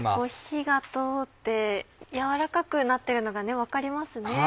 火が通って軟らかくなってるのが分かりますね。